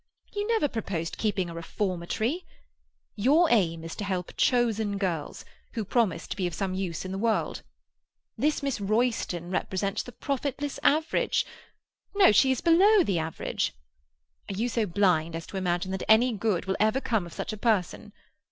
You never proposed keeping a reformatory. Your aim is to help chosen girls, who promise to be of some use in the world. This Miss Royston represents the profitless average—no, she is below the average. Are you so blind as to imagine that any good will ever come of such a person?